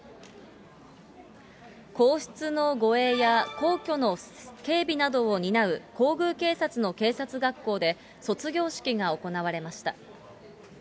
皇室の護衛や皇居の警備などを担う皇宮警察の警察学校で、卒業式が行われました。